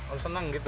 oh seneng gitu